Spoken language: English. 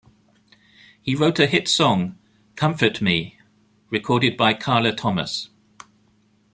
He wrote a hit song, "Comfort Me", recorded by Carla Thomas.